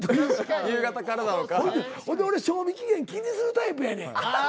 ほんで俺賞味期限気にするタイプやねん。